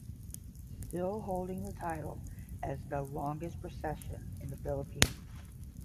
Still, holding the title as the longest procession in the Philippines.